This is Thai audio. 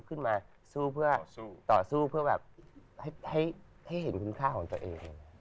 ขึ้นมาสู้เพื่อต่อสู้เพื่อแบบให้เห็นคุณค่าของตัวเอง